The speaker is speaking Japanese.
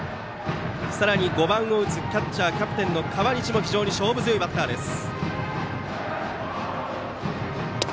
さらに５番を打つキャッチャーキャプテンの河西も非常に勝負強いバッターです。